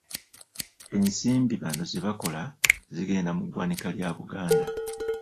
Ensimbi bano ze bakola zigenda mu ggwanika lya Buganda.